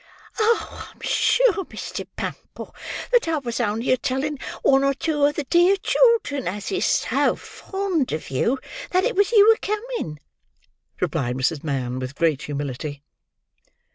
"I'm sure Mr. Bumble, that I was only a telling one or two of the dear children as is so fond of you, that it was you a coming," replied Mrs. Mann with great humility.